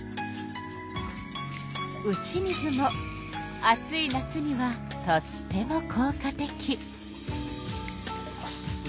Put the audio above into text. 打ち水も暑い夏にはとってもこう果的。